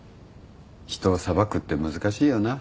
人を裁くって難しいよな。